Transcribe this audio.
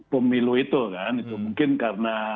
pemilu itu kan itu mungkin karena